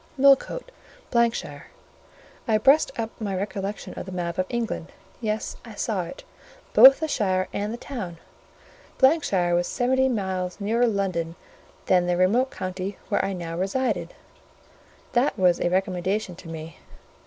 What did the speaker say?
Millcote, ——shire; I brushed up my recollections of the map of England; yes, I saw it; both the shire and the town. ——shire was seventy miles nearer London than the remote county where I now resided: that was a recommendation to me.